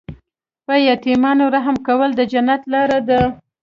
په یتیمانو رحم کول د جنت لاره ده.